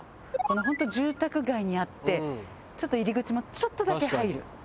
本当住宅街にあってちょっと入り口もちょっとだけ入る。